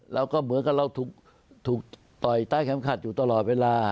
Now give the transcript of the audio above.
เราก็เหมือนกับเราถูกต่อยใต้เข็มขัดอยู่ตลอดเวลา